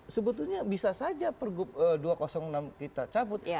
sebetulnya bisa saja pergub dua ratus enam kita cabut